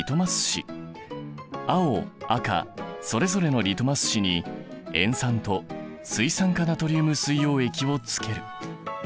青赤それぞれのリトマス紙に塩酸と水酸化ナトリウム水溶液をつける。